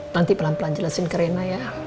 nanti pelan pelan jelasin ke reyna ya